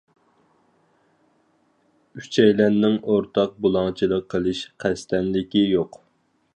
ئۈچەيلەننىڭ ئورتاق بۇلاڭچىلىق قىلىش قەستەنلىكى يوق.